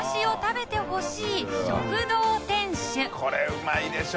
これうまいでしょ！